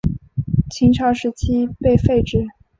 秦朝时期被废止。